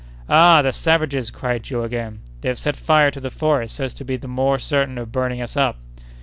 "Ah! the savages!" cried Joe again; "they have set fire to the forest so as to be the more certain of burning us up."